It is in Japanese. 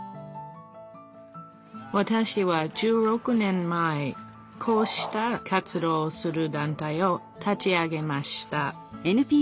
わたしは１６年前こうした活動をする団体を立ち上げました。